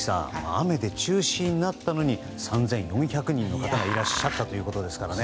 雨で中止になったのに３４００人の方がいらっしゃったということですからね。